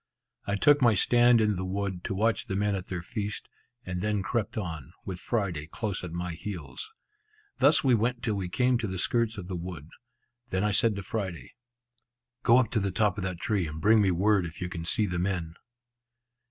I took my stand in the wood, to watch the men at their feast, and then crept on, with Friday close at my heels. Thus we went till we came to the skirts of the wood. Then I said to. Friday, "Go up to the top of that tree, and bring me word if you can see the men."